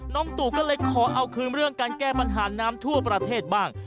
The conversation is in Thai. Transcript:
ตู่ก็เลยขอเอาคืนเรื่องการแก้ปัญหาน้ำทั่วประเทศบ้าง